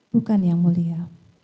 bukan yang mulia